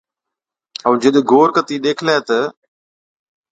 ائُون جِڏ غور ڪتِي ڏيکلَي تہ،